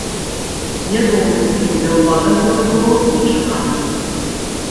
Не думаю, што для ўладаў гэта было нечакана.